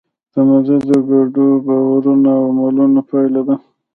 تمدن د ګډو باورونو او عملونو پایله ده.